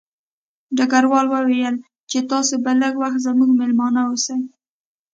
ډګروال وویل چې تاسې به لږ وخت زموږ مېلمانه اوسئ